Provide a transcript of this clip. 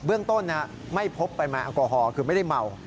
เรื่องต้นไม่พบปริมาณแอลกอฮอลคือไม่ได้เมา